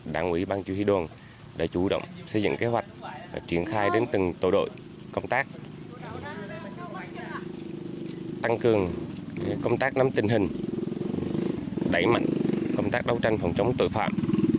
đảng quỹ bang chủ huy đồn đã chủ động xây dựng kế hoạch triển khai đến từng tổ đội công tác tăng cường công tác nắm tình hình đẩy mạnh công tác đấu tranh phòng chống tội phạm